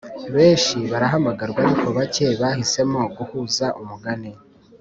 benshi barahamagarwa ariko bake bahisemo guhuza umugani